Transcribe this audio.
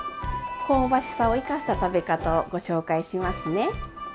香ばしさを生かした食べ方をご紹介しますね！